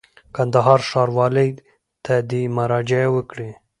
کندهار ښاروالۍ ته دي مراجعه وکړي.